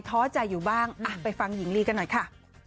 ท้อใจอยู่บ้างไปฟังหญิงลีกันหน่อยค่ะ